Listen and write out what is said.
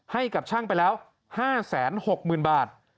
ให้กับช่างไปแล้ว๕แสน๖หมื่นบาท